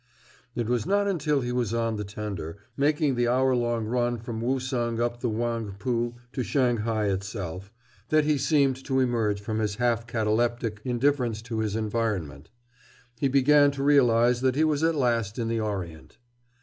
It was not until he was on the tender, making the hour long run from Woosung up the Whangpoo to Shanghai itself, that he seemed to emerge from his half cataleptic indifference to his environment. He began to realize that he was at last in the Orient.